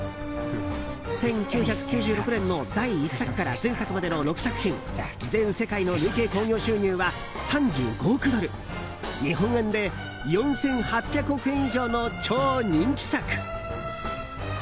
１９９６年の第１作から前作までの６作品全世界の累計興行収入は３５億ドル日本円で４８００億円以上の超人気作。